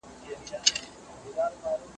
نبوت یوازې ځانګړو کسانو ته ورکړل سوی دی.